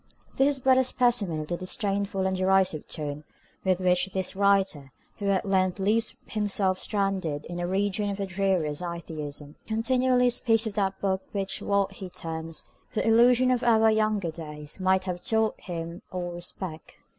This is but a specimen of the disdainful and derisive tone with which this writer, who at length leaves himself stranded in a region of the dreariest Atheism, continually speaks of that Book which what he terms 'the illusions of our younger days' might have taught him o respect."